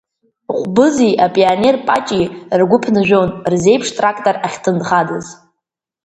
Ҟәбызи апионер Паҷеи ргәы ԥнажәон рзеиԥш трактор ахьҭынхадаз.